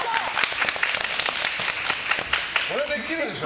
これはできるでしょ。